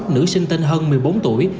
nữ sinh tên hân một mươi bốn tuổi